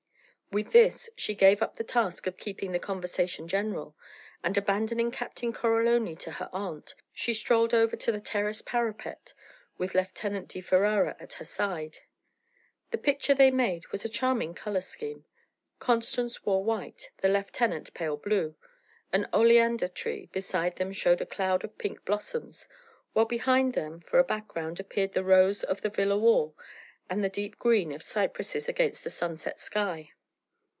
With this she gave up the task of keeping the conversation general; and abandoning Captain Coroloni to her aunt, she strolled over to the terrace parapet with Lieutenant di Ferara at her side. The picture they made was a charming colour scheme. Constance wore white, the lieutenant pale blue; an oleander tree beside them showed a cloud of pink blossoms, while behind them for a background appeared the rose of the villa wall and the deep green of cypresses against a sunset sky.